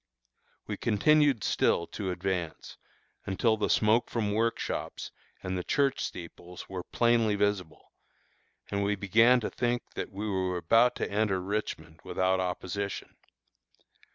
We continued still to advance, until the smoke from workshops, and the church steeples were plainly visible, and we began to think that we were about to enter Richmond without opposition.